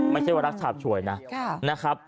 ไม่ใช่ว่ารักฉาบฉวยนะครับ